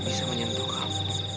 bisa menyentuh kamu